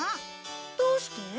どうして？